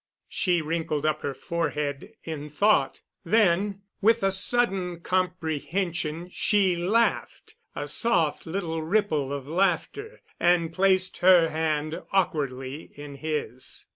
She wrinkled up her forehead in thought; then, with a sudden comprehension, she laughed a soft little ripple of laughter and placed her hand awkwardly in his.